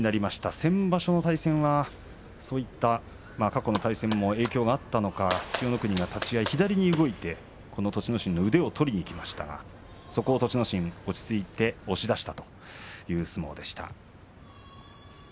先場所の対戦は過去の対戦も影響があったのか千代の国が立ち合い左に動いてこの栃ノ心の腕を取りにいきましたがそこを栃ノ心、落ち着いて押し出したという相撲でした。